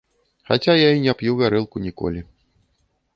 Хаця я і не п'ю гарэлку ніколі.